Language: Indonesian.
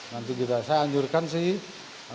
nanti kita saya anjurkan sih